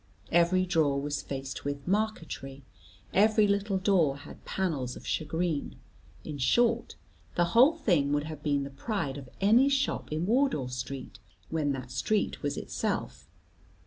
Every drawer was faced with marquetrie, every little door had panels of shagreen. In short, the whole thing would have been the pride of any shop in Wardour Street, when that street was itself.